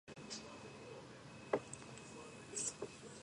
არქეოლოგიურმა გათხრებმა გვიჩვენეს, რომ ეს პირამიდა ხუთ ეტაპად შენდებოდა.